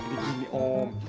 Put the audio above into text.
jadi gini om